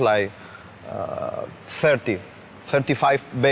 ไม่มีพวกมันเกี่ยวกับพวกเรา